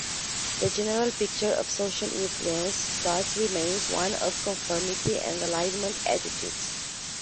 The general picture of social influence thus remains one of conformity and alignment attitudes.